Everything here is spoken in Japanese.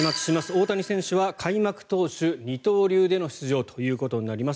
大谷選手は開幕投手二刀流での出場となります。